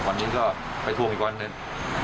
วันนี้ก็ไปทวงอีกวันหนึ่ง